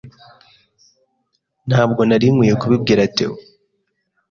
Ntabwo nari nkwiye kubibwira Theo.